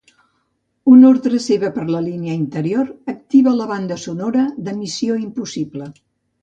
Una ordre seva per línia interior activa la banda sonora de Missió impossible.